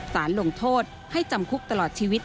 สารลงโทษให้จำคุกตลอดชีวิต